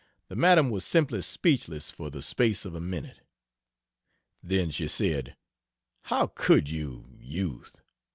the Madam was simply speechless for the space of a minute. Then she said: "How could you, Youth!